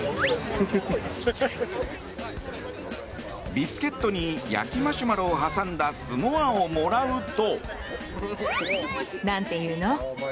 ビスケットに焼きマシュマロを挟んだスモアをもらうと。